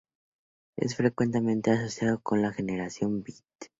Es frecuentemente asociado con la Generación Beat.